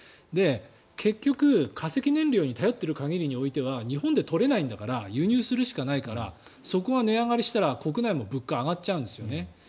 結局、化石燃料に頼っている限りにおいては日本で取れないんだから輸入するしかないからそこが値上がりしたら国内も物価は上がっちゃうんですよね。